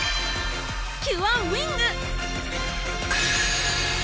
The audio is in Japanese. キュアウィング！